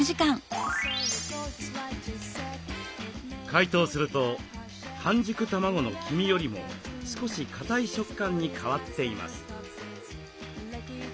解凍すると半熟卵の黄身よりも少しかたい食感に変わっています。